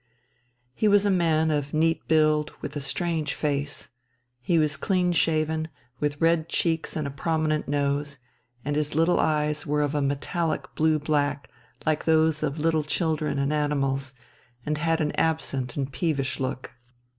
He was a man of neat build with a strange face. He was clean shaven, with red cheeks and a prominent nose, his little eyes were of a metallic blue black, like those of little children and animals, and had an absent and peevish look.